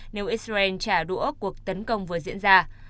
nếu israel trả đũa cuộc tấn công với israel